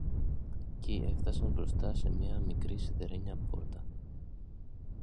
κι έφθασαν μπροστά σε μικρή σιδερένια πόρτα.